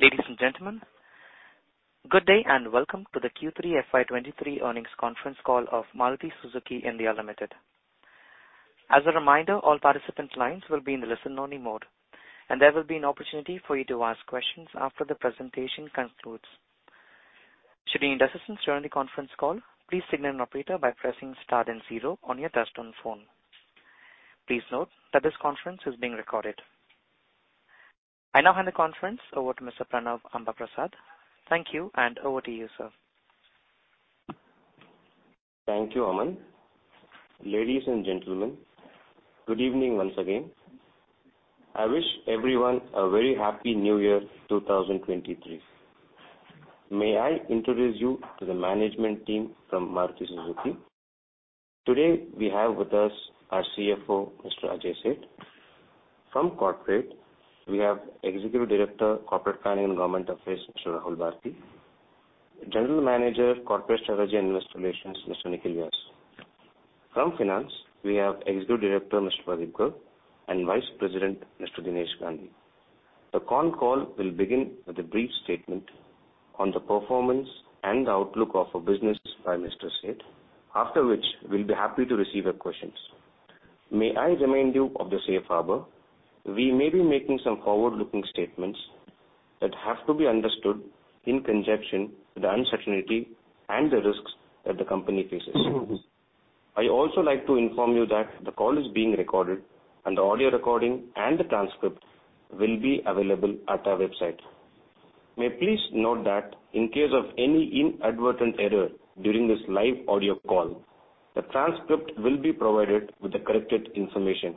Ladies and gentlemen, good day and welcome to the Q3 FY 2023 earnings conference call of Maruti Suzuki India Limited. As a reminder, all participant lines will be in listen-only mode, and there will be an opportunity for you to ask questions after the presentation concludes. Should you need assistance during the conference call, please signal an operator by pressing star then zero on your touch-tone phone. Please note that this conference is being recorded. I now hand the conference over to Mr. Pranav Ambaprasad. Thank you, and over to you, sir. Thank you, Aman. Ladies and gentlemen, good evening once again. I wish everyone a very happy new year, 2023. May I introduce you to the management team from Maruti Suzuki. Today, we have with us our CFO, Mr. Ajay Seth. From Corporate, we have Executive Director, Corporate Planning and Government Affairs, Mr. Rahul Bharti; General Manager, Corporate Strategy and Investor Relations, Mr. Nikhil Vyas. From Finance, we have Executive Director, Mr. Pradeep Garg; and Vice President, Mr. Dinesh Gandhi. The con call will begin with a brief statement on the performance and outlook of our business by Mr. Seth, after which we'll be happy to receive your questions. May I remind you of the safe harbor. We may be making some forward-looking statements that have to be understood in conjunction with the uncertainty and the risks that the company faces. I also like to inform you that the call is being recorded and the audio recording and the transcript will be available at our website. May you please note that in case of any inadvertent error during this live audio call, the transcript will be provided with the corrected information.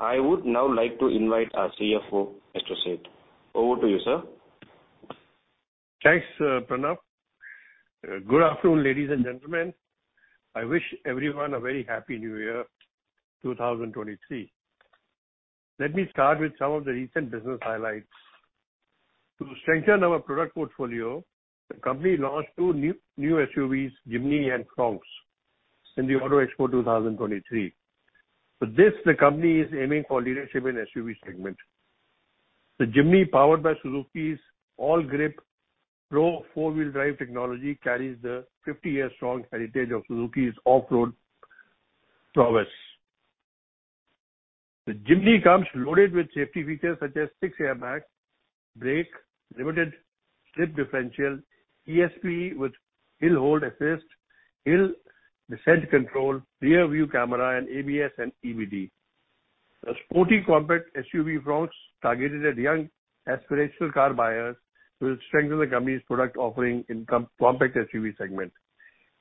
I would now like to invite our CFO, Mr. Seth. Over to you, sir. Thanks, sir, Pranav. Good afternoon, ladies and gentlemen. I wish everyone a very happy new year, 2023. Let me start with some of the recent business highlights. To strengthen our product portfolio, the company launched two new SUVs, Jimny and Fronx, in the Auto Expo 2023. For this, the company is aiming for leadership in SUV segment. The Jimny, powered by Suzuki's ALLGRIP PRO four-wheel drive technology, carries the 50-year strong heritage of Suzuki's off-road prowess. The Jimny comes loaded with safety features such as 6 airbags, brake, limited slip differential, ESP with hill-hold assist, hill descent control, rear-view camera and ABS and EBD. The sporty compact SUV, Fronx, targeted at young aspirational car buyers, will strengthen the company's product offering in compact SUV segment.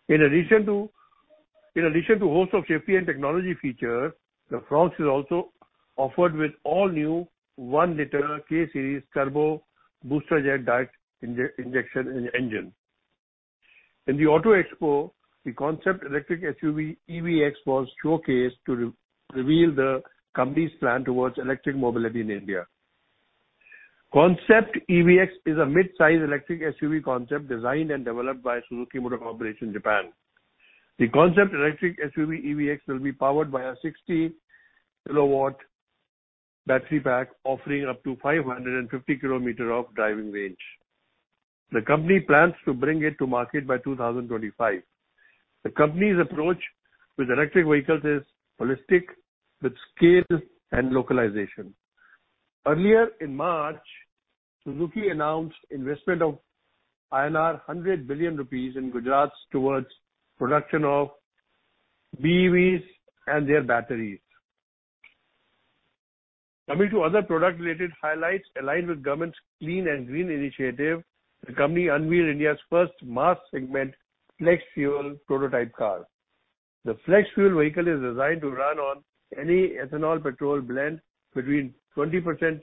In addition to, in addition to host of safety and technology features, the Fronx is also offered with all new 1-liter K-series turbo BOOSTERJET direct injection engine. In the Auto Expo, the concept electric SUV, EVX, was showcased to re-reveal the company's plan towards electric mobility in India. Concept EVX is a mid-size electric SUV concept designed and developed by Suzuki Motor Corporation, Japan. The concept electric SUV, EVX, will be powered by a 60-kW battery pack, offering up to 550 km of driving range. The company plans to bring it to market by 2025. The company's approach with electric vehicles is holistic, with scale and localization. Earlier in March, Suzuki announced investment of 100 billion rupees in Gujarat towards production of BEVs and their batteries. Coming to other product-related highlights, aligned with government's clean and green initiative, the company unveiled India's first mass segment flex-fuel prototype car. The flex-fuel vehicle is designed to run on any ethanol petrol blend between 20%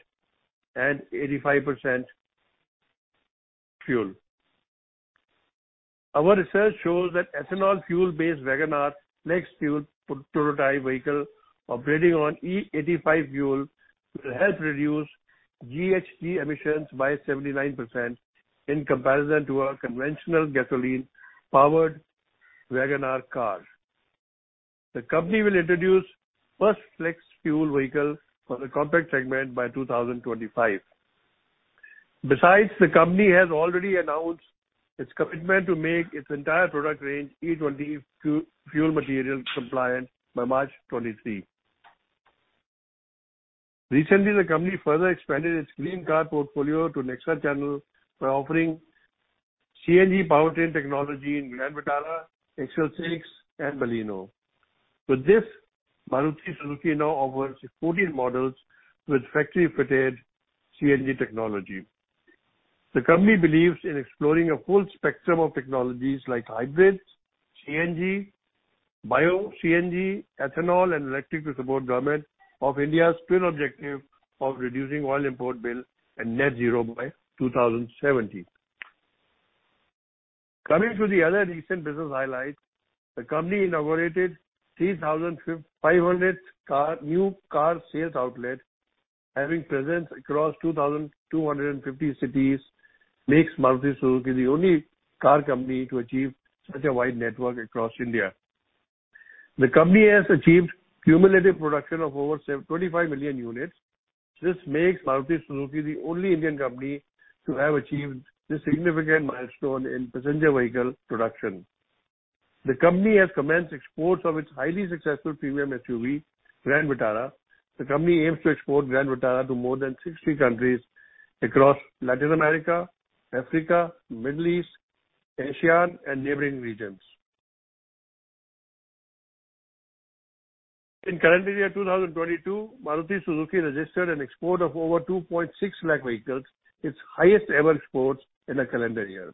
and 85% fuel. Our research shows that ethanol fuel-based Wagon R flex-fuel pro-prototype vehicle operating on E85 fuel will help reduce GHG emissions by 79% in comparison to our conventional gasoline-powered Wagon R car. The company will introduce first flex-fuel vehicle for the compact segment by 2025. The company has already announced its commitment to make its entire product range E20 fuel material compliant by March 2023. Recently, the company further expanded its green car portfolio to NEXA channel by offering CNG powertrain technology in Grand Vitara, XL6 and Baleno. With this, Maruti Suzuki now offers 14 models with factory-fitted CNG technology. The company believes in exploring a full spectrum of technologies like hybrids, CNG, bio-CNG, ethanol and electric to support Government of India's twin objective of reducing oil import bill and net zero by 2070. Coming to the other recent business highlights, the company inaugurated 3,500 new car sales outlet, having presence across 2,250 cities, makes Maruti Suzuki the only car company to achieve such a wide network across India. The company has achieved cumulative production of over 25 million units. This makes Maruti Suzuki the only Indian company to have achieved this significant milestone in passenger vehicle production. The company has commenced exports of its highly successful premium SUV, Grand Vitara. The company aims to export Grand Vitara to more than 60 countries across Latin America, Africa, Middle East, ASEAN and neighboring regions. In calendar year 2022, Maruti Suzuki registered an export of over 2.6 lakh vehicles, its highest ever exports in a calendar year.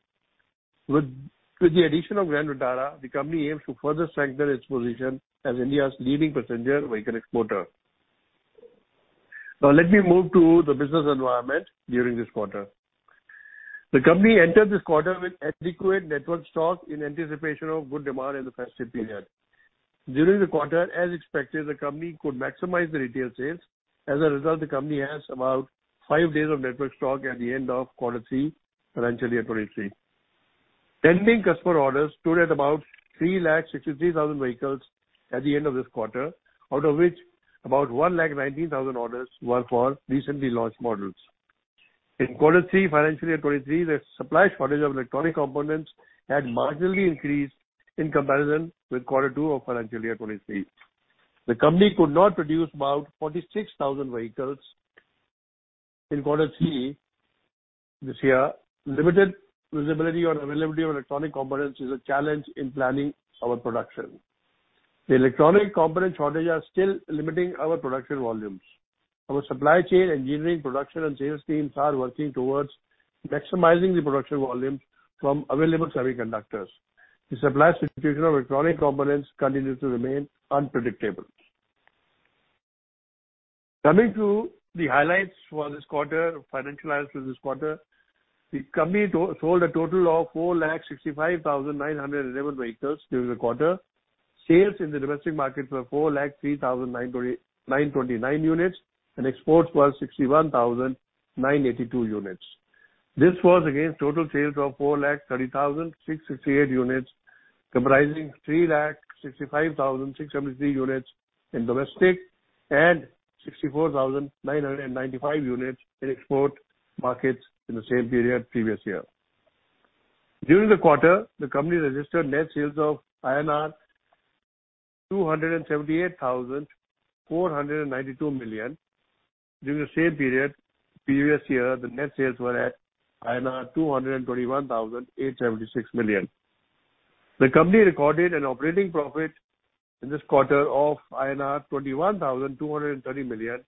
With the addition of Grand Vitara, the company aims to further strengthen its position as India's leading passenger vehicle exporter. Let me move to the business environment during this quarter. The company entered this quarter with adequate network stock in anticipation of good demand in the festive period. During the quarter, as expected, the company could maximize the retail sales. The company has about five days of network stock at the end of quarter three, financial year 23. Pending customer orders stood at about 363,000 vehicles at the end of this quarter, out of which about 119,000 orders were for recently launched models. In quarter three, financial year 23, the supply shortage of electronic components had marginally increased in comparison with quarter two of financial year 2023. The company could not produce about 46,000 vehicles in quarter three this year. Limited visibility on availability of electronic components is a challenge in planning our production. The electronic component shortages are still limiting our production volumes. Our supply chain, engineering, production and sales teams are working towards maximizing the production volumes from available semiconductors. The supply situation of electronic components continues to remain unpredictable. Coming to the highlights for this quarter, financial highlights for this quarter. The company sold a total of 4 lakh 65,911 vehicles during the quarter. Sales in the domestic market were 4 lakh 3,929 units. Exports were 61,982 units. This was against total sales of 430,668 units, comprising 365,673 units in domestic, and 64,995 units in export markets in the same period previous year. During the quarter, the company registered net sales of INR 278,492 million. During the same period previous year, the net sales were at INR 221,876 million. The company recorded an operating profit in this quarter of INR 21,230 million,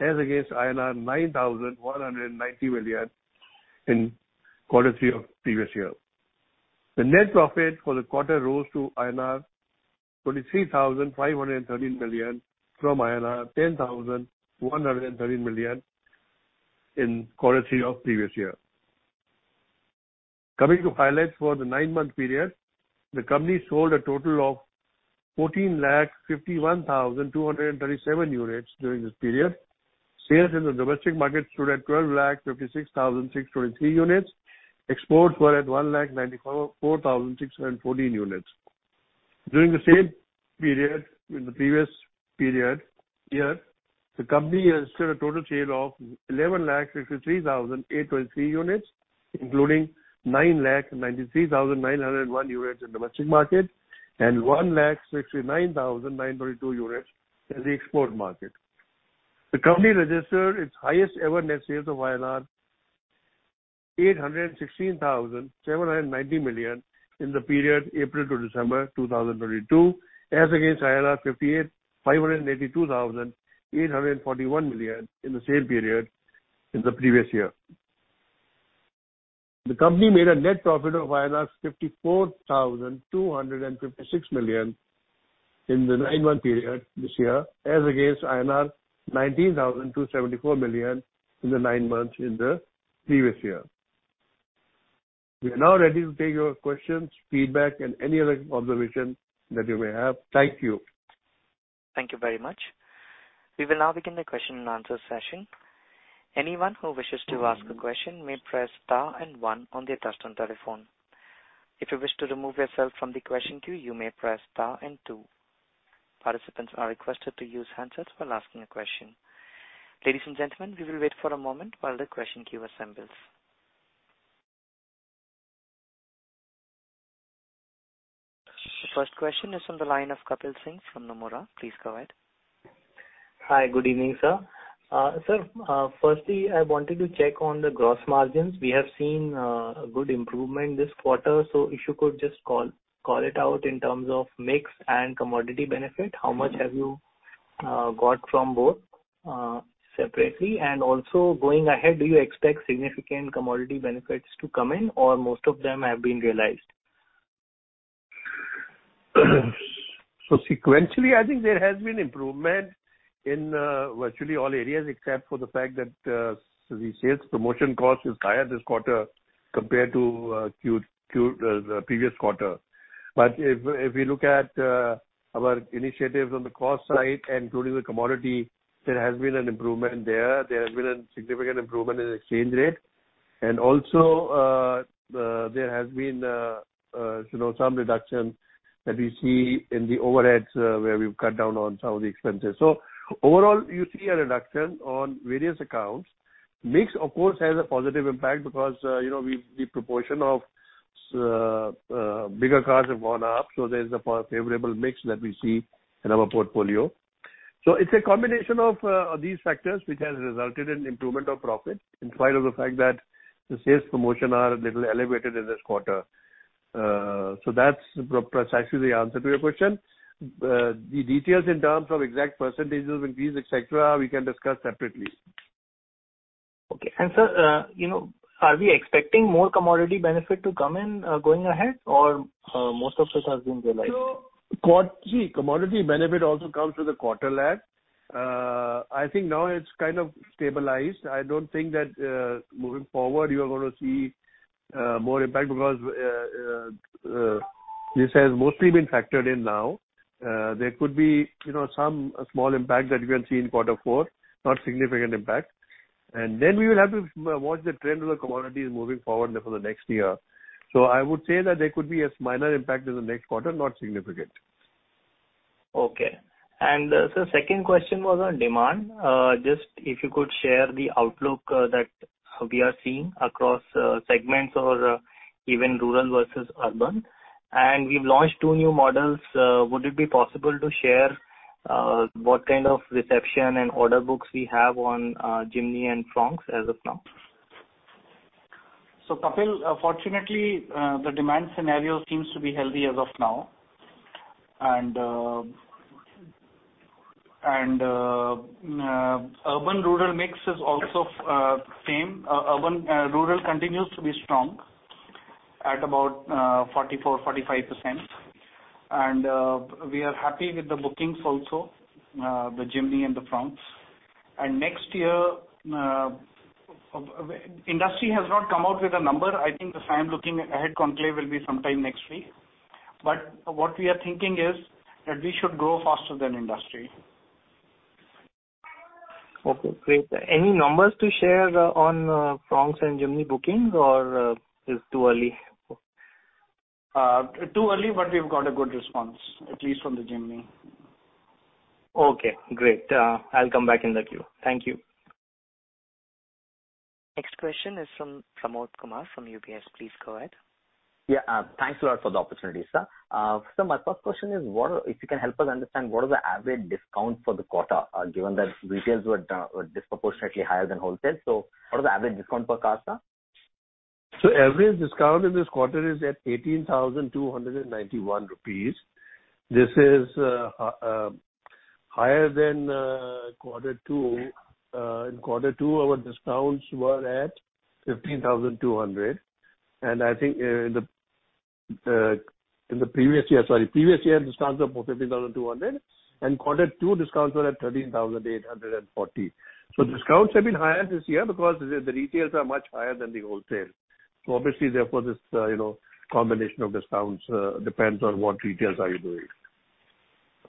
as against INR 9,190 million in quarter three of previous year. The net profit for the quarter rose to 23,513 million INR from INR 10,113 million in quarter three of previous year. Coming to highlights for the nine-month period. The company sold a total of 1,451,237 units during this period. Sales in the domestic market stood at 1,256,623 units. Exports were at 194,614 units. During the same period in the previous year, the company registered a total sale of 1,163,823 units, including 993,901 units in domestic market, and 169,922 units in the export market. The company registered its highest ever net sales of 816,790 million in the period April to December 2022, as against 585,828.41 million in the same period in the previous year. The company made a net profit of 54,256 million in the 9-month period this year, as against 19,274 million in the 9 months in the previous year. We are now ready to take your questions, feedback and any other observation that you may have. Thank you. Thank you very much. We will now begin the question and answer session. Anyone who wishes to ask a question may press star and one on their touch-tone telephone. If you wish to remove yourself from the question queue, you may press star and two. Participants are requested to use handsets while asking a question. Ladies and gentlemen, we will wait for a moment while the question queue assembles. The first question is on the line of Kapil Singh from Nomura. Please go ahead. Hi. Good evening, sir. Sir, firstly, I wanted to check on the gross margins. We have seen a good improvement this quarter. If you could just call it out in terms of mix and commodity benefit. How much have you got from both separately? Also going ahead, do you expect significant commodity benefits to come in or most of them have been realized? Sequentially, I think there has been improvement in virtually all areas, except for the fact that the sales promotion cost is higher this quarter compared to q-q the previous quarter. If we look at our initiatives on the cost side, including the commodity, there has been an improvement there. There has been a significant improvement in exchange rate. Also, there has been, you know, some reduction that we see in the overheads, where we've cut down on some of the expenses. Overall, you see a reduction on various accounts. Mix, of course, has a positive impact because, you know, the proportion of bigger cars have gone up, so there's a favorable mix that we see in our portfolio. It's a combination of these factors which has resulted in improvement of profit in spite of the fact that the sales promotion are a little elevated in this quarter. That's precisely the answer to your question. The details in terms of exact percentages, increase, et cetera, we can discuss separately. Sir, you know, are we expecting more commodity benefit to come in, going ahead, or, most of it has been realized? Commodity benefit also comes with a quarter lag. I think now it's kind of stabilized. I don't think that moving forward, you are gonna see more impact because this has mostly been factored in now. There could be, you know, some small impact that we can see in quarter four, not significant impact. We will have to watch the trend of the commodities moving forward for the next year. I would say that there could be a minor impact in the next quarter, not significant. Okay. Sir, second question was on demand. Just if you could share the outlook that we are seeing across segments or even rural versus urban. We've launched two new models, would it be possible to share what kind of reception and order books we have on Jimny and Fronx as of now? Kapil, fortunately, the demand scenario seems to be healthy as of now. Urban rural mix is also same. Urban rural continues to be strong at about 44%-45%. We are happy with the bookings also, the Jimny and the Fronx. Next year, Industry has not come out with a number. I think the FAME looking ahead conclave will be sometime next week. What we are thinking is that we should grow faster than industry. Okay, great. Any numbers to share on Fronx and Jimny bookings or it's too early? Too early, but we've got a good response, at least from the Jimny. Okay, great. I'll come back in the queue. Thank you. Next question is from Pramod Kumar from UBS. Please go ahead. Yeah. Thanks a lot for the opportunity, sir. My first question is, if you can help us understand, what are the average discount for the quarter, given that retails were disproportionately higher than wholesale? What is the average discount per car, sir? Average discount in this quarter is at 18,291 rupees. This is higher than Q2. In Q2, our discounts were at 15,200 INR, and I think in the previous year, sorry, previous year discounts were 15,200 INR, and Q2 discounts were at 13,840 INR. Discounts have been higher this year because the retails are much higher than the wholesale. Obviously, therefore, this, you know, combination of discounts depends on what retails are you doing.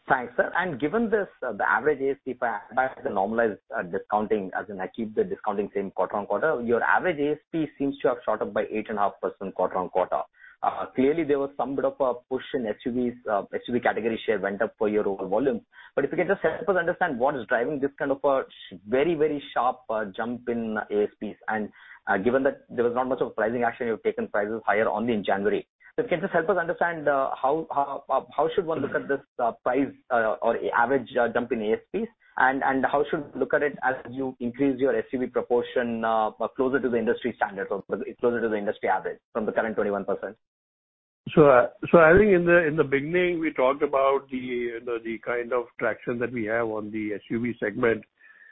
Thanks, sir. Given this, the average ASP for the normalized discounting, as in achieve the discounting same quarter on quarter, your average ASP seems to have shot up by 8.5% quarter on quarter. Clearly there was some bit of a push in SUVs, SUV category share went up for your overall volume. If you can just help us understand what is driving this kind of a very, very sharp jump in ASPs. Given that there was not much of pricing action, you've taken prices higher only in January. Can you just help us understand how should one look at this price or average jump in ASPs? How should look at it as you increase your SUV proportion, closer to the industry standard or closer to the industry average from the current 21%? I think in the beginning, we talked about the, you know, the kind of traction that we have on the SUV segment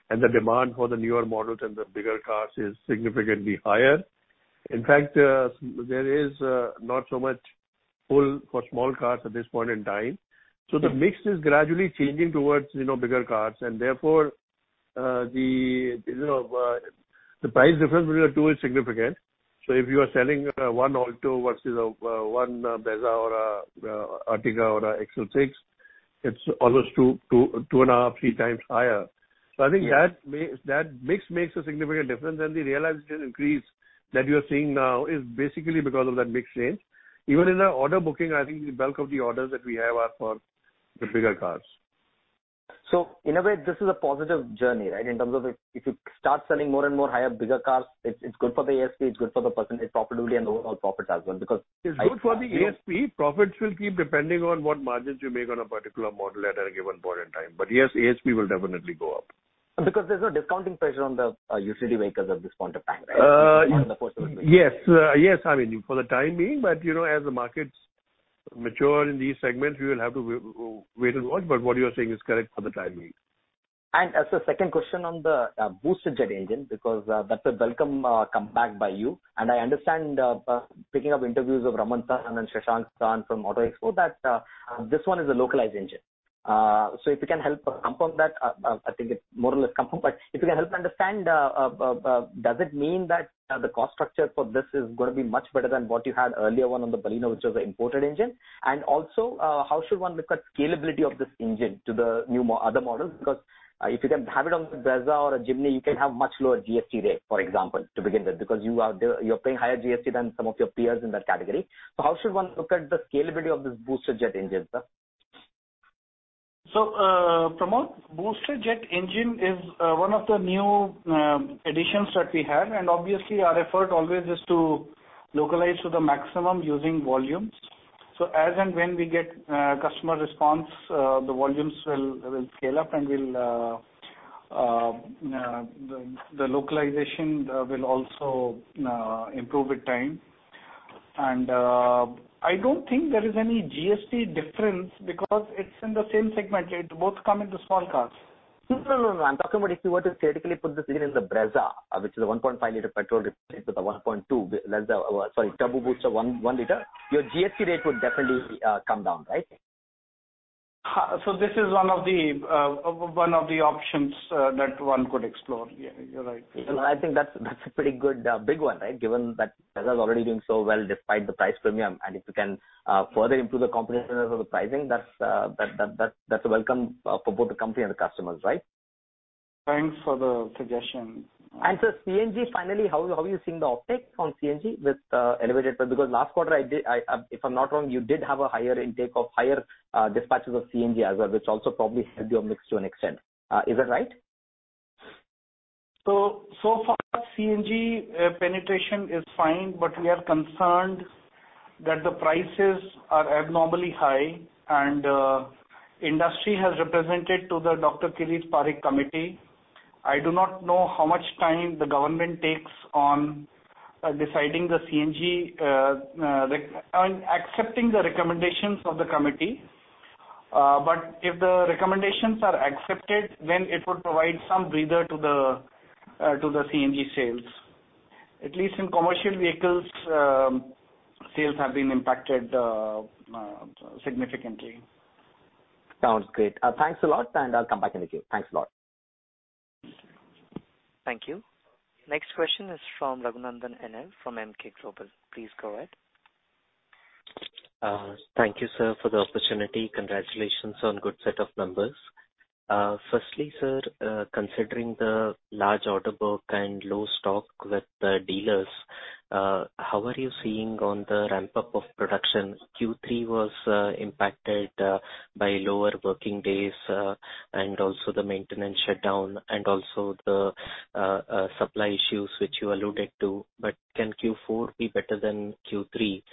and the demand for the newer models and the bigger cars is significantly higher. In fact, there is not so much pull for small cars at this point in time. The mix is gradually changing towards, you know, bigger cars and therefore, the, you know, the price difference between the two is significant. If you are selling one Alto versus one Brezza or Ertiga or XL6, it's almost 2.5x, 3x higher. I think that mix makes a significant difference. The realization increase that you are seeing now is basically because of that mix change. In our order booking, I think the bulk of the orders that we have are for the bigger cars. In a way, this is a positive journey, right? In terms of if you start selling more and more higher, bigger cars, it's good for the ASP, it's good for the percentage profitability and the overall profits as well. It's good for the ASP. Profits will keep depending on what margins you make on a particular model at a given point in time. Yes, ASP will definitely go up. There's no discounting pressure on the UCD vehicles at this point of time, right? Yes. Yes. I mean, for the time being, but you know, as the markets mature in these segments, we will have to wait and watch. What you are saying is correct for the time being. As a second question on the BOOSTERJET engine, because that's a welcome comeback by you. I understand, picking up interviews of R.S. Kalsi and Shashank Srivastava from Auto Expo, that this one is a localized engine. If you can help confirm that, I think it's more or less confirmed. If you can help understand, does it mean that the cost structure for this is gonna be much better than what you had earlier on the Baleno, which was an imported engine? Also, how should one look at scalability of this engine to the new other models? If you can have it on Brezza or a Jimny, you can have much lower GST rate, for example, to begin with, because you're paying higher GST than some of your peers in that category. How should one look at the scalability of this BOOSTERJET engine, sir? So, uh, Pramod, BOOSTERJET engine is, uh, one of the new, um, additions that we have. And obviously our effort always is to localize to the maximum using volumes. So as and when we get, uh, customer response, uh, the volumes will, will scale up, and we'll, uh, um, uh, the, the localization, uh, will also, uh, improve with time. And, uh, I don't think there is any GST difference because it's in the same segment. It both come into small cars. No, no. I'm talking about if you were to theoretically put this engine in the Brezza, which is a 1.5 liter petrol replaced with a 1.2 sorry, turbo booster 1 liter, your GST rate would definitely come down, right? This is one of the options that one could explore. Yeah, you're right. I think that's a pretty good big one, right? Given that Brezza's already doing so well despite the price premium. If you can further improve the competitiveness of the pricing, that's a welcome for both the company and the customers, right? Thanks for the suggestion. Sir, CNG finally, how are you seeing the uptake on CNG with elevated price? Because last quarter, if I'm not wrong, you did have a higher intake of higher dispatches of CNG as well, which also probably helped your mix to an extent. Is that right? So far, CNG penetration is fine, but we are concerned that the prices are abnormally high and industry has represented to the Dr. Kirit Parikh committee. I do not know how much time the government takes on deciding the CNG I mean, accepting the recommendations of the committee. If the recommendations are accepted, then it would provide some breather to the CNG sales. At least in commercial vehicles, sales have been impacted significantly. Sounds great. Thanks a lot, and I'll come back in the queue. Thanks a lot. Thank you. Next question is from Raghunandhan N L from Emkay Global. Please go ahead. Thank you, sir, for the opportunity. Congratulations on good set of numbers. Firstly, sir, considering the large order book and low stock with the dealers, how are you seeing on the ramp-up of production? Q3 was impacted by lower working days, and also the maintenance shutdown and also the supply issues which you alluded to. But can Q4 be better than Q3?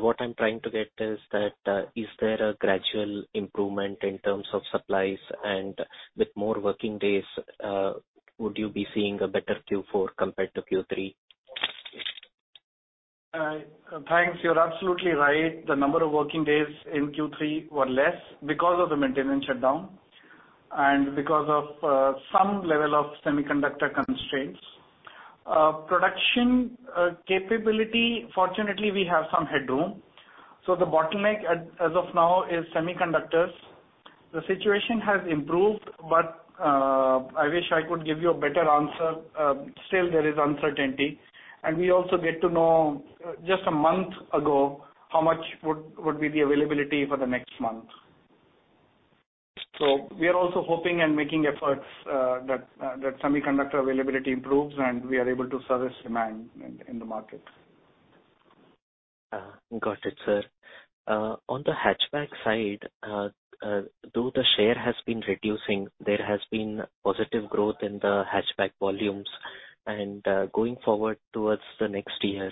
What I'm trying to get is that, is there a gradual improvement in terms of supplies and with more working days, would you be seeing a better Q4 compared to Q3? Thanks. You're absolutely right. The number of working days in Q3 were less because of the maintenance shutdown and because of some level of semiconductor constraints. Production capability, fortunately, we have some headroom. The bottleneck as of now is semiconductors. The situation has improved, but I wish I could give you a better answer. Still there is uncertainty. We also get to know just a month ago how much would be the availability for the next month. We are also hoping and making efforts that semiconductor availability improves and we are able to service demand in the market. Got it, sir. On the hatchback side, though the share has been reducing, there has been positive growth in the hatchback volumes. Going forward towards the next year,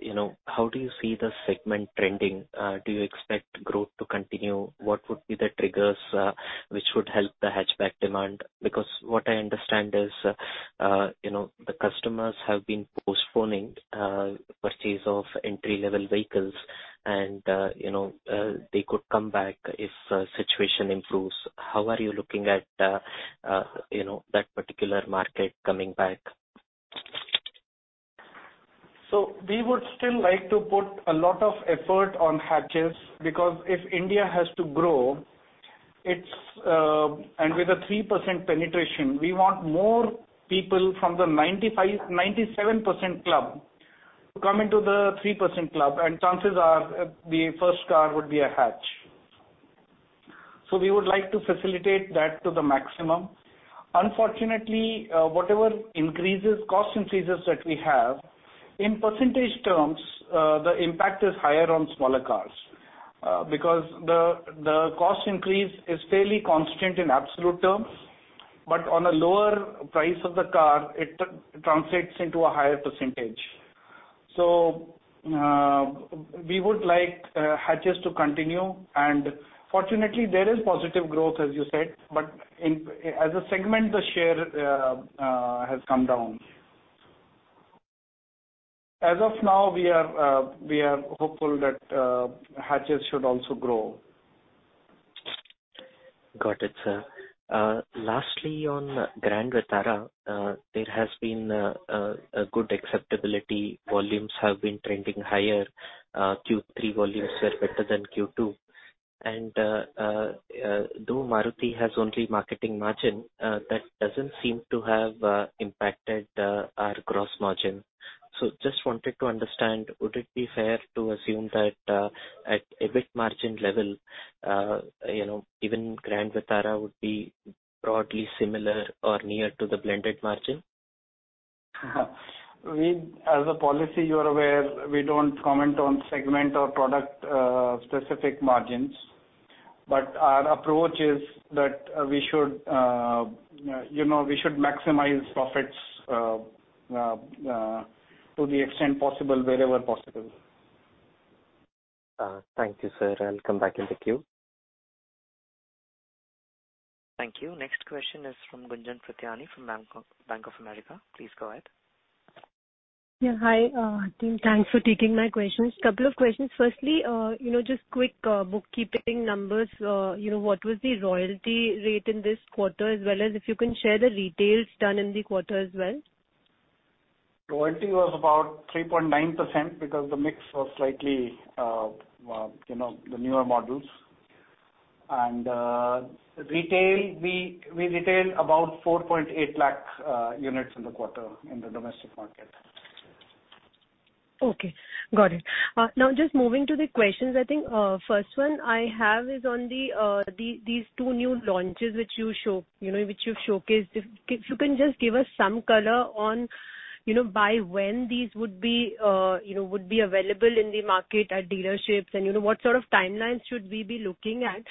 you know, how do you see the segment trending? Do you expect growth to continue? What would be the triggers which would help the hatchback demand? Because what I understand is, you know, the customers have been postponing purchase of entry-level vehicles, and, you know, they could come back if situation improves. How are you looking at, you know, that particular market coming back? We would still like to put a lot of effort on hatches, because if India has to grow, it's, and with a 3% penetration, we want more people from the 95%, 97% club to come into the 3% club, and chances are, the first car would be a hatch. We would like to facilitate that to the maximum. Unfortunately, whatever increases, cost increases that we have, in percentage terms, the impact is higher on smaller cars. Because the cost increase is fairly constant in absolute terms, but on a lower price of the car, it translates into a higher percentage. We would like hatches to continue. Fortunately, there is positive growth, as you said, but as a segment, the share has come down. As of now, we are hopeful that hatches should also grow. Got it, sir. Lastly, on Grand Vitara, there has been a good acceptability. Volumes have been trending higher. Q3 volumes were better than Q2. Though Maruti has only marketing margin, that doesn't seem to have impacted our gross margin. Just wanted to understand, would it be fair to assume that at EBIT margin level, you know, even Grand Vitara would be broadly similar or near to the blended margin? We as a policy, you're aware, we don't comment on segment or product, specific margins. Our approach is that we should, you know, we should maximize profits, to the extent possible, wherever possible. Thank you, sir. I'll come back in the queue. Thank you. Next question is from Gunjan Prithyani from Bank of America. Please go ahead. Yeah, hi, team. Thanks for taking my questions. Couple of questions. Firstly, you know, just quick bookkeeping numbers. You know, what was the royalty rate in this quarter as well as if you can share the retails done in the quarter as well? Royalty was about 3.9% because the mix was slightly, you know, the newer models. Retail, we retailed about 4.8 lakh units in the quarter in the domestic market. Okay. Got it. Now just moving to the questions. I think, first one I have is on these two new launches which you show, you know, which you've showcased. If you can just give us some color on, you know, by when these would be, you know, would be available in the market at dealerships and, you know, what sort of timelines should we be looking at?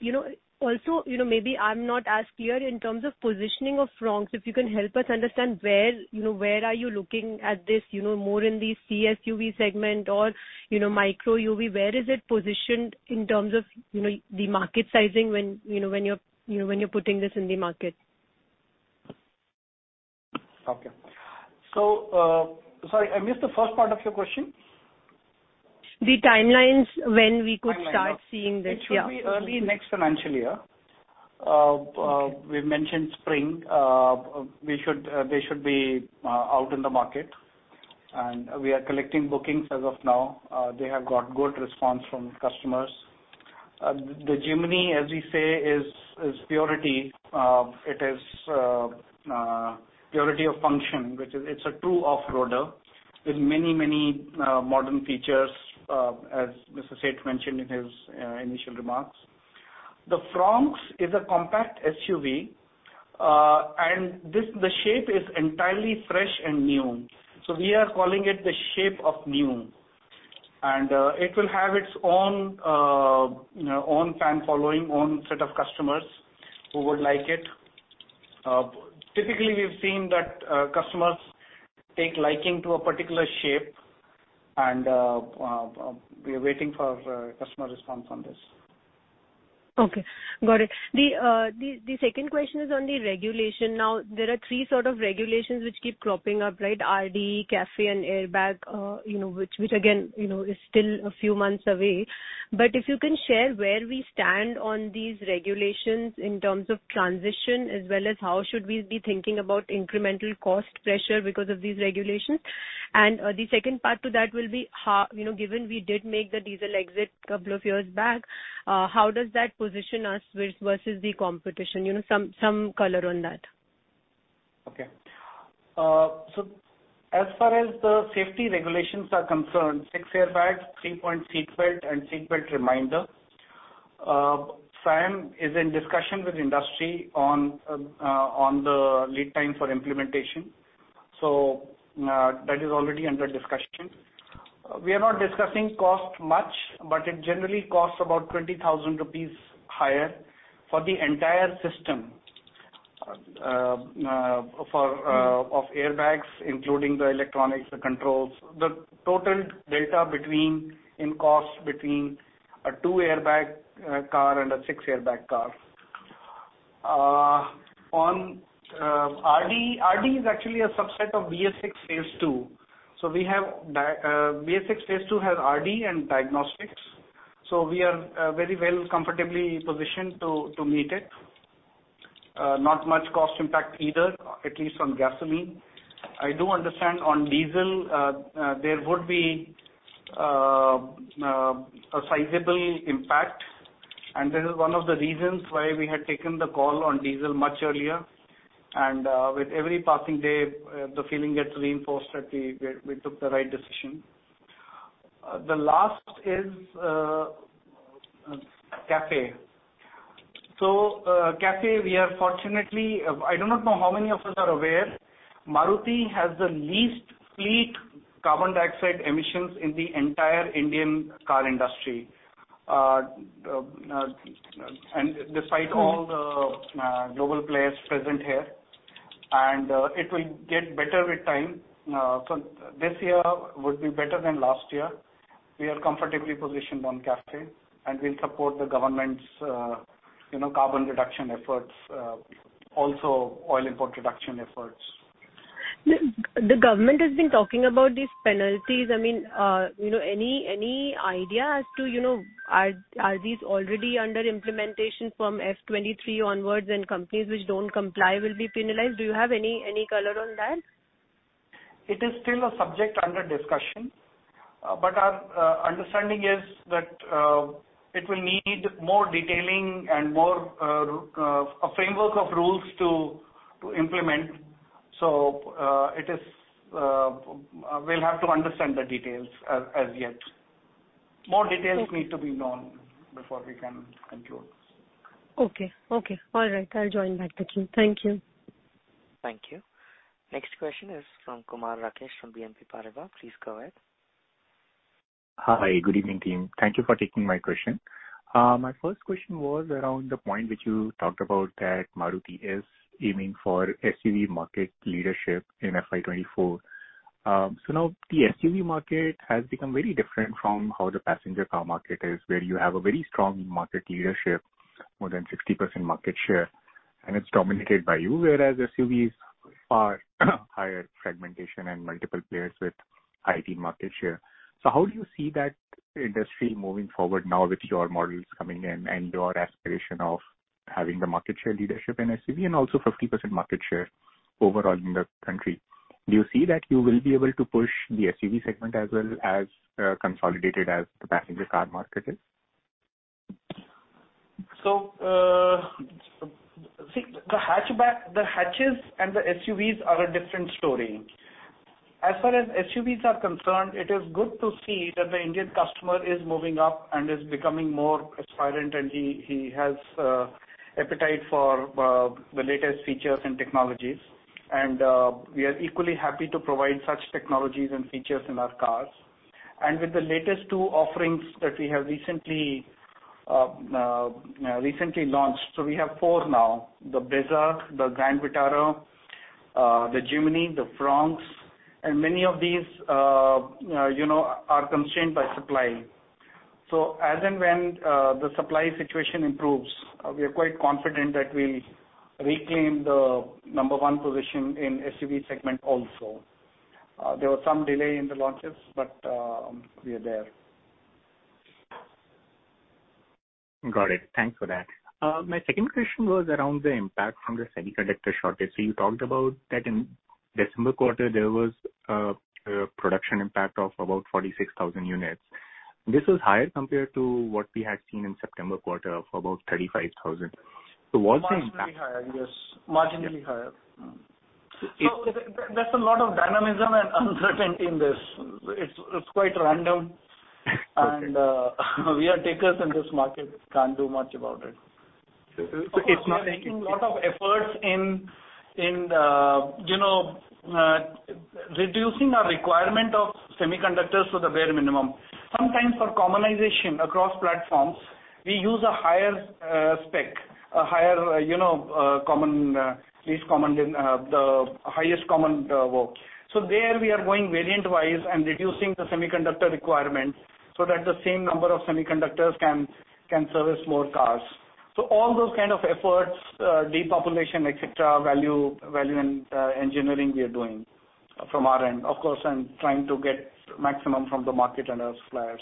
You know, also, you know, maybe I'm not as clear in terms of positioning of Fronx. If you can help us understand where, you know, where are you looking at this, you know, more in the C-SUV segment or, you know, micro SUV? Where is it positioned in terms of, you know, the market sizing when, you know, when you're, you know, when you're putting this in the market? Okay. sorry, I missed the first part of your question. The timelines when we could start. Timeline. seeing this. Yeah. It should be early next financial year. We've mentioned spring, we should, they should be out in the market, and we are collecting bookings as of now. They have got good response from customers. The Jimny, as we say, is purity. It is purity of function, which is it's a true off-roader with many modern features, as Mr. Seth mentioned in his initial remarks. The Fronx is a compact SUV, and the shape is entirely fresh and new. We are calling it the shape of new. It will have its own, you know, own fan following, own set of customers who would like it. Typically, we've seen that customers take liking to a particular shape, and we are waiting for customer response on this. Okay. Got it. The second question is on the regulation. Now, there are three sort of regulations which keep cropping up, right? RDE, CAFE, and airbag, you know, which again, you know, is still a few months away. If you can share where we stand on these regulations in terms of transition as well as how should we be thinking about incremental cost pressure because of these regulations. The second part to that will be how, you know, given we did make the diesel exit couple of years back, how does that position us versus the competition? You know, some color on that. Okay. As far as the safety regulations are concerned, 6 airbags, 3-point seat belt, and seat belt reminder. SIAM is in discussion with industry on the lead time for implementation. That is already under discussion. We are not discussing cost much, but it generally costs about 20,000 rupees higher for the entire system for of airbags, including the electronics, the controls. The total delta between in cost between a 2-airbag car and a 6-airbag car. On RDE is actually a subset of BS6 phase II. We have BS6 phase II has RDE and diagnostics. We are very well comfortably positioned to meet it. Not much cost impact either, at least on gasoline. I do understand on diesel, there would be a sizable impact, this is one of the reasons why we had taken the call on diesel much earlier. With every passing day, the feeling gets reinforced that we took the right decision. The last is CAFE. CAFE, we are fortunately, I do not know how many of us are aware, Maruti has the least fleet carbon dioxide emissions in the entire Indian car industry. Despite all the global players present here, it will get better with time. This year would be better than last year. We are comfortably positioned on CAFE, and we'll support the government's, you know, carbon reduction efforts, also oil import reduction efforts. The government has been talking about these penalties. I mean, you know, any idea as to, you know, are these already under implementation from F23 onwards, and companies which don't comply will be penalized? Do you have any color on that? It is still a subject under discussion. Our understanding is that it will need more detailing and more a framework of rules to implement. It is we'll have to understand the details as yet. Okay. More details need to be known before we can conclude. Okay, okay. All right. I'll join back the queue. Thank you. Thank you. Next question is from Kumar Rakesh from BNP Paribas. Please go ahead. Hi. Good evening, team. Thank you for taking my question. My first question was around the point which you talked about that Maruti is aiming for SUV market leadership in FY 2024. Now the SUV market has become very different from how the passenger car market is, where you have a very strong market leadership, more than 60% market share, and it's dominated by you, whereas SUVs are higher fragmentation and multiple players with high team market share. How do you see that industry moving forward now with your models coming in and your aspiration of having the market share leadership in SUV and also 50% market share overall in the country? Do you see that you will be able to push the SUV segment as well as consolidated as the passenger car market is? See, the hatchback, the hatches and the SUVs are a different story. As far as SUVs are concerned, it is good to see that the Indian customer is moving up and is becoming more aspirant, and he has appetite for the latest features and technologies. We are equally happy to provide such technologies and features in our cars. With the latest two offerings that we have recently launched. We have four now, the Brezza, the Grand Vitara, the Jimny, the Fronx, and many of these, you know, are constrained by supply. As and when the supply situation improves, we are quite confident that we'll reclaim the number one position in SUV segment also. There was some delay in the launches, but we are there. Got it. Thanks for that. My second question was around the impact from the semiconductor shortage. You talked about that in December quarter, there was a production impact of about 46,000 units. This is higher compared to what we had seen in September quarter of about 35,000. Was the impact- Marginally higher, yes. Marginally higher. Yeah. There's a lot of dynamism and uncertainty in this. It's quite random. Okay. We are takers in this market, can't do much about it. it's not- We are making a lot of efforts in, you know, reducing our requirement of semiconductors to the bare minimum. Sometimes for commonization across platforms, we use a higher spec, a higher, you know, common, the highest common work. There we are going variant-wise and reducing the semiconductor requirement so that the same number of semiconductors can service more cars. All those kind of efforts, depopulation, et cetera, value in, engineering we are doing from our end. Of course, I'm trying to get maximum from the market and our suppliers.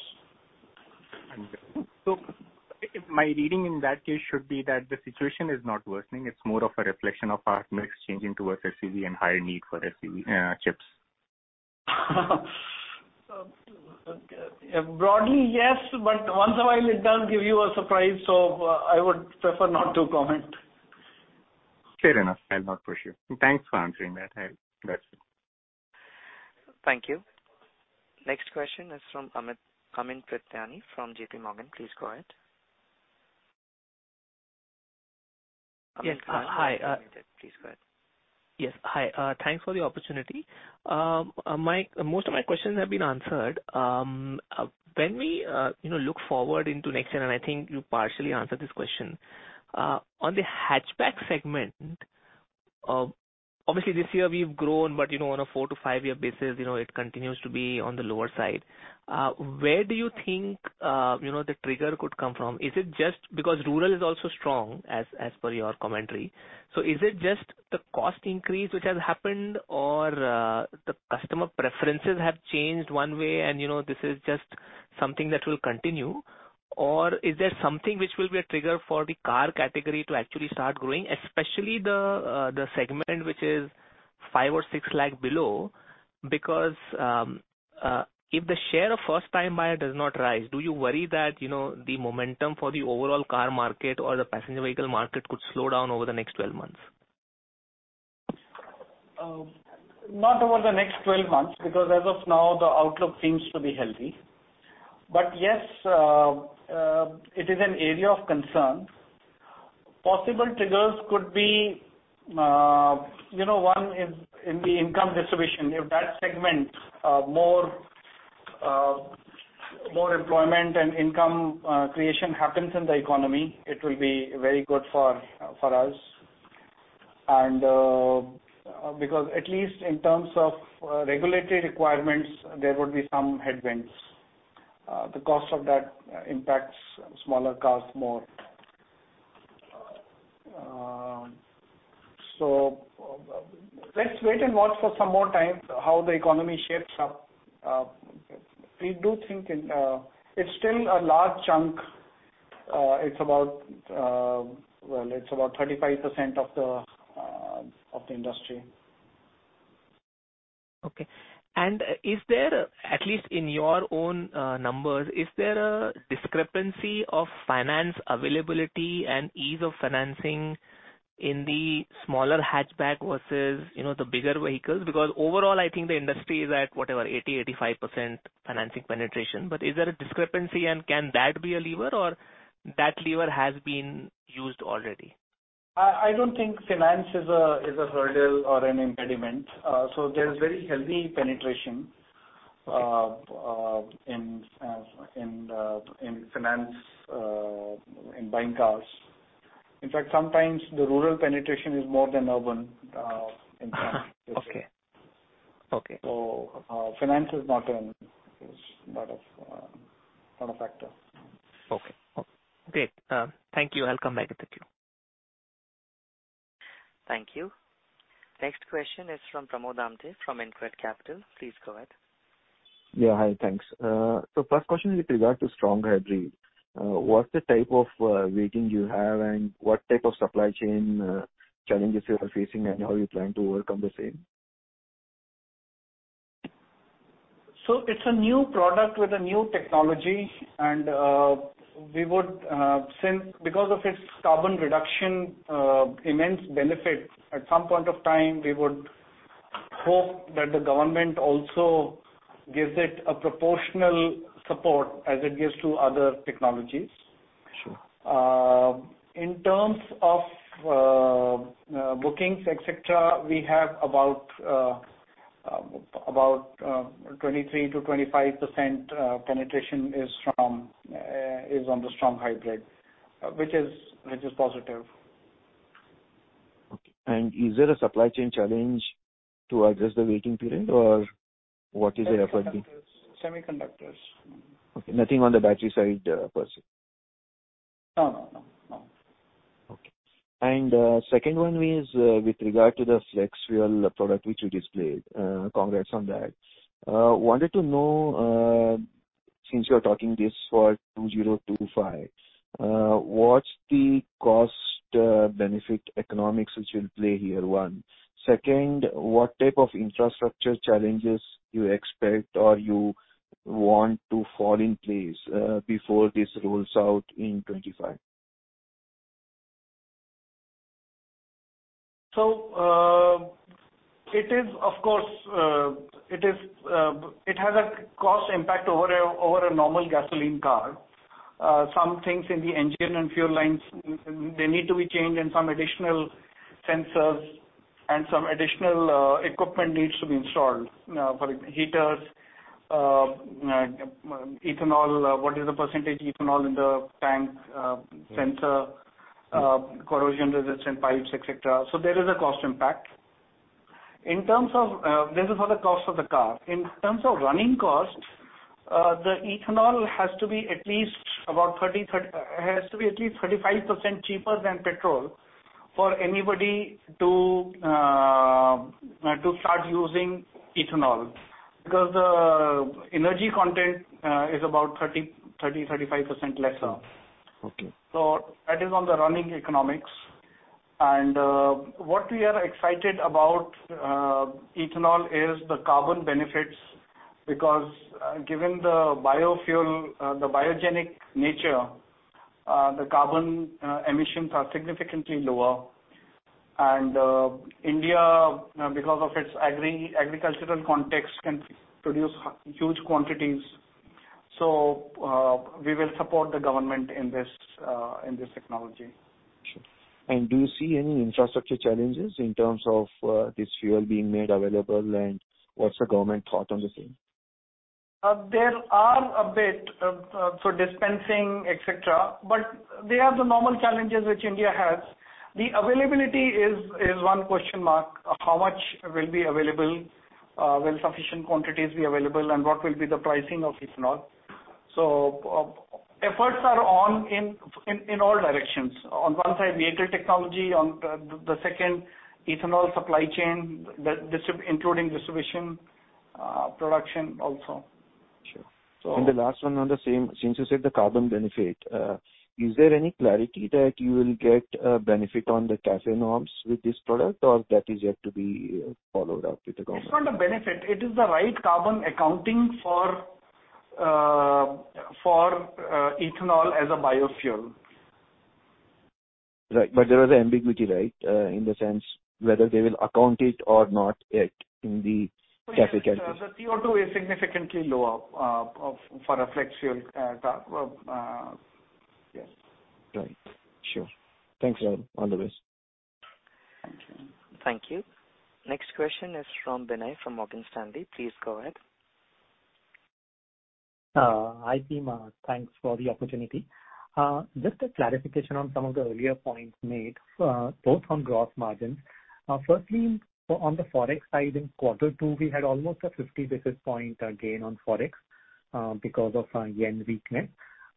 Understood. My reading in that case should be that the situation is not worsening. It's more of a reflection of our mix changing towards SUV and higher need for SUV chips. Broadly, yes. Once in a while, it does give you a surprise, so I would prefer not to comment. Fair enough. I'll not push you. Thanks for answering that. That's it. Thank you. Next question is from Amit, Amyn Pirani from JPMorgan. Please go ahead. Yes. Hi, Please go ahead. Yes. Hi. Thanks for the opportunity. My, most of my questions have been answered. When we, you know, look forward into next year, and I think you partially answered this question. On the hatchback segment, obviously this year we've grown, but, you know, on a 4-5-year basis, you know, it continues to be on the lower side. Where do you think, you know, the trigger could come from? Is it just because rural is also strong as per your commentary? Is it just the cost increase which has happened, or the customer preferences have changed one way and, you know, this is just something that will continue? Is there something which will be a trigger for the car category to actually start growing, especially the segment which is 5 or 6 lakh below? If the share of first-time buyer does not rise, do you worry that, you know, the momentum for the overall car market or the passenger vehicle market could slow down over the next 12 months? Not over the next 12 months, because as of now, the outlook seems to be healthy. Yes, it is an area of concern. Possible triggers could be, you know, one is in the income distribution. If that segment, more employment and income creation happens in the economy, it will be very good for us. Because at least in terms of regulatory requirements, there would be some headwinds. The cost of that impacts smaller cars more. Let's wait and watch for some more time how the economy shapes up. We do think in... it's still a large chunk. It's about, well, it's about 35% of the industry. Okay. Is there, at least in your own, numbers, is there a discrepancy of finance availability and ease of financing in the smaller hatchback versus, you know, the bigger vehicles? Because overall, I think the industry is at, whatever, 80%-85% financing penetration. Is there a discrepancy and can that be a lever or that lever has been used already? I don't think finance is a hurdle or an impediment. There's very healthy penetration in finance in buying cars. In fact, sometimes the rural penetration is more than urban in cars. Okay. Okay. Finance is not a factor. Okay. Great. Thank you. I'll come back if required. Thank you. Next question is from Pramod Amthe from InCred Capital. Please go ahead. Hi, thanks. First question with regard to strong hybrid. What's the type of waiting you have and what type of supply chain challenges you are facing and how are you planning to overcome the same? It's a new product with a new technology and, we would, since because of its carbon reduction, immense benefit, at some point of time, we would hope that the government also gives it a proportional support as it gives to other technologies. Sure. In terms of bookings, et cetera, we have about 23-25% penetration is from is on the strong hybrid, which is positive. Okay. Is there a supply chain challenge to address the waiting period or what is the effort being? Semiconductors. Okay. Nothing on the battery side per se? No, no, no. Okay. Second one is, with regard to the flex-fuel product which you displayed. Congrats on that. Wanted to know, since you're talking this for 2025, what's the cost, benefit economics which will play here, one? Second, what type of infrastructure challenges you expect or you want to fall in place, before this rolls out in 2025? It is, of course, it has a cost impact over a normal gasoline car. Some things in the engine and fuel lines, they need to be changed and some additional sensors and some additional equipment needs to be installed. For heaters, ethanol, what is the % ethanol in the tank, sensor, corrosion resistant pipes, et cetera. There is a cost impact. In terms of, this is for the cost of the car. In terms of running costs, the ethanol has to be at least 35% cheaper than petrol for anybody to start using ethanol, because the energy content is about 35% lesser. Okay. That is on the running economics. What we are excited about, ethanol is the carbon benefits because, given the biofuel, the biogenic nature, the carbon, emissions are significantly lower. India, because of its agri-agricultural context, can produce huge quantities. We will support the government in this, in this technology. Sure. Do you see any infrastructure challenges in terms of this fuel being made available? What's the government thought on the same? There are a bit for dispensing, et cetera, but they are the normal challenges which India has. The availability is one question mark. How much will be available? Will sufficient quantities be available and what will be the pricing of ethanol? Efforts are on in all directions. On one side, the AT technology, on the second ethanol supply chain, including distribution, production also. Sure. So- The last one on the same. Since you said the carbon benefit, is there any clarity that you will get benefit on the CAFE norms with this product or that is yet to be followed up with the government? It's not a benefit. It is the right carbon accounting for ethanol as a biofuel. Right. There is ambiguity, right? In the sense whether they will account it or not yet in the CAFE calculation. The CO2 is significantly lower for a flex-fuel car. Yes. Right. Sure. Thanks a lot. All the best. Thank you. Thank you. Next question is from Binay from Morgan Stanley. Please go ahead. Hi, team. Thanks for the opportunity. Just a clarification on some of the earlier points made, both on gross margins. Firstly, on the Forex side, in quarter two, we had almost a 50 basis point gain on Forex. Because of our JPY weakness.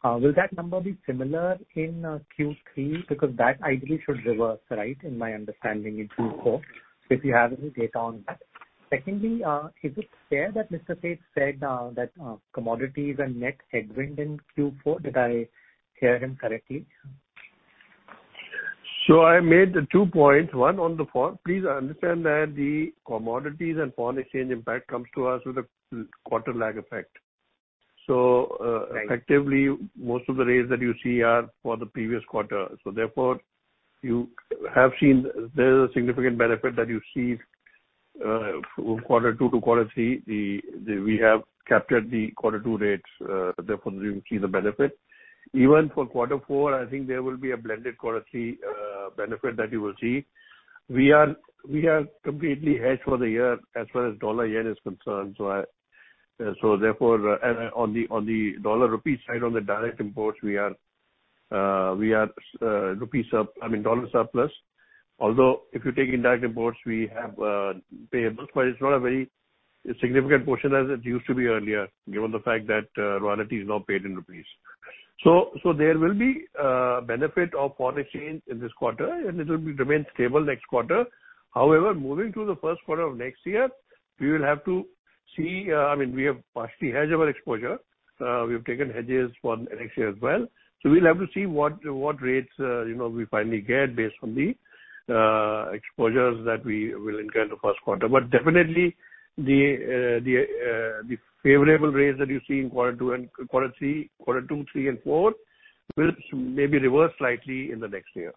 Will that number be similar in Q3? Because that ideally should reverse, right? In my understanding in Q4. If you have any data on that. Secondly, is it fair that Mr. Seth said that commodities and net hedged wind in Q4? Did I hear him correctly? I made 2 points. Please understand that the commodities and foreign exchange impact comes to us with a quarter lag effect. Right. effectively, most of the rates that you see are for the previous quarter. Therefore you have seen there's a significant benefit that you see from quarter two-quarter three. We have captured the quarter two rates, therefore you will see the benefit. Even for quarter four, I think there will be a blended quarter three benefit that you will see. We are completely hedged for the year as well as dollar year is concerned. Therefore, on the dollar rupee side, on the direct imports, we are rupee surplus, I mean, dollar surplus. If you take indirect imports, we have payables, but it's not a very significant portion as it used to be earlier, given the fact that royalty is now paid in rupees. There will be benefit of foreign exchange in this quarter and it'll be remain stable next quarter. However, moving to the first quarter of next year, we will have to see, I mean, we have partially hedged our exposure. We have taken hedges for the next year as well. We'll have to see what rates, you know, we finally get based on the exposures that we will incur in the first quarter. Definitely the favorable rates that you see in quarter two, three and four will maybe reverse slightly in the next year.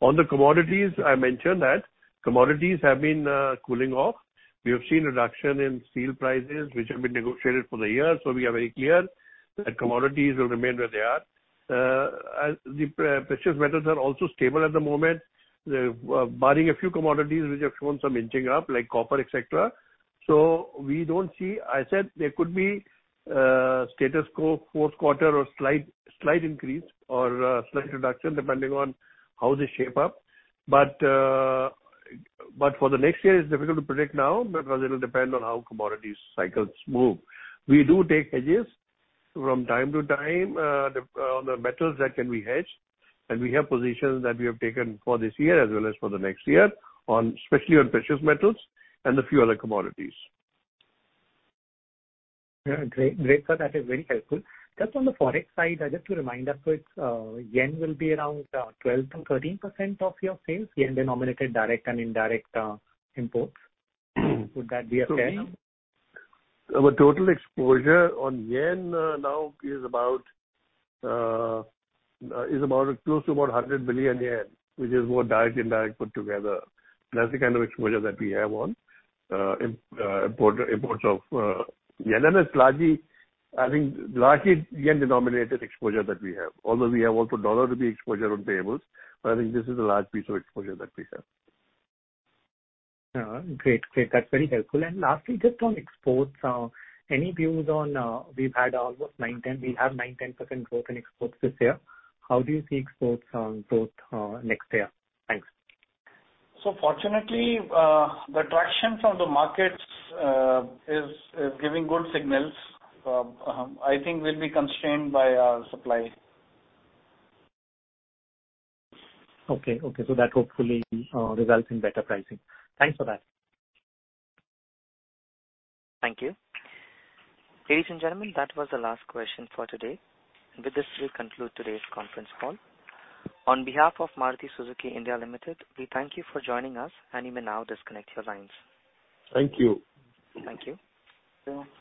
On the commodities, I mentioned that commodities have been cooling off. We have seen reduction in steel prices, which have been negotiated for the year. We are very clear that commodities will remain where they are. The precious metals are also stable at the moment. Barring a few commodities which have shown some inching up like copper, et cetera. We don't see. I said there could be status quo fourth quarter or slight increase or slight reduction depending on how they shape up. For the next year, it's difficult to predict now because it'll depend on how commodities cycles move. We do take hedges from time to time on the metals that can be hedged, and we have positions that we have taken for this year as well as for the next year on, especially on precious metals and a few other commodities. Yeah. Great. Great, sir. That is very helpful. Just on the Forex side, just to remind us, so it's yen will be around 12%-13% of your sales, yen-denominated direct and indirect imports. Would that be fair? Our total exposure on yen, now is about, is about close to about 100 billion yen, which is more direct and indirect put together. That's the kind of exposure that we have on imports of yen. It's largely, I think, largely yen-denominated exposure that we have. Although we have also USD rupee exposure on payables, but I think this is a large piece of exposure that we have. Great. That's very helpful. Lastly, just on exports, any views on, we've had almost 9-10% growth in exports this year. How do you see exports on growth next year? Thanks. Fortunately, the traction from the markets is giving good signals. I think we'll be constrained by our supply. Okay. Okay. That hopefully, results in better pricing. Thanks for that. Thank you. Ladies and gentlemen, that was the last question for today. With this, we'll conclude today's conference call. On behalf of Maruti Suzuki India Limited, we thank you for joining us and you may now disconnect your lines. Thank you. Thank you. Thank you.